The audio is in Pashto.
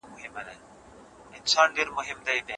څه شی په ټولنیزو شبکو کي زموږ ذهن ستړی کوي؟